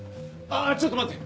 あぁちょっと待って！